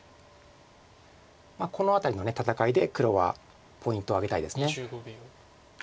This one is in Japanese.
この辺りの戦いで黒はポイントを挙げたいです。